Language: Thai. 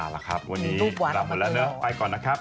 อะแหละครับวันนี้รับหมดแล้วเนี่ยไปก่อนนะครับ